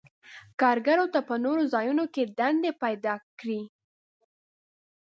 کارګرو ته په نورو ځایونو کې دندې پیداکړي.